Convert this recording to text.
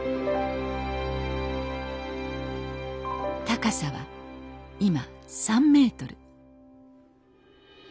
高さは今３ｍ。